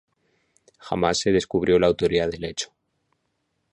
Jamás se descubrió la autoría del hecho.